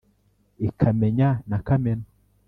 Ikamenya na Kamena